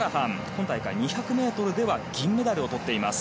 今大会２００ｍでは銀メダルをとっています。